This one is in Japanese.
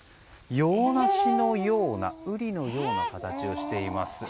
洋ナシのようなウリのような形をしています。